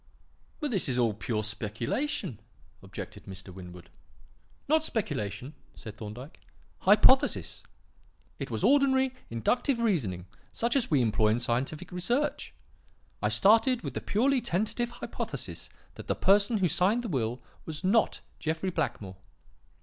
"But this was all pure speculation," objected Mr. Winwood. "Not speculation," said Thorndyke. "Hypothesis. It was ordinary inductive reasoning such as we employ in scientific research. I started with the purely tentative hypothesis that the person who signed the will was not Jeffrey Blackmore.